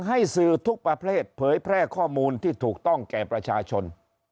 สื่อทุกประเภทเผยแพร่ข้อมูลที่ถูกต้องแก่ประชาชน